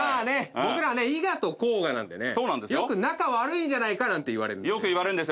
僕らはね伊賀と甲賀なんでねよく仲悪いんじゃないかなんて言われるんです。